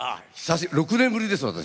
６年ぶりです私。